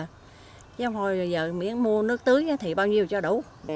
chứ không thôi giờ miễn mua nước tưới thì bao nhiêu cho đủ